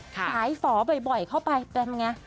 ขายฝอบ่อยเข้าไปเป็นไง